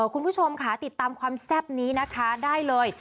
คุณผู้ชมค่ะติดตามความแซ่บนี้นะคะได้เลย